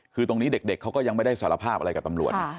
คือตรงนี้เด็กเขาก็ยังไม่ได้สารภาพอะไรกับตำรวจ